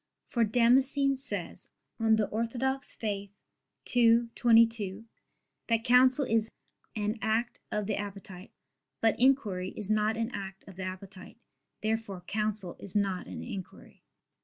For Damascene says (De Fide Orth. ii, 22) that counsel is "an act of the appetite." But inquiry is not an act of the appetite. Therefore counsel is not an inquiry.